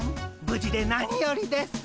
無事で何よりです。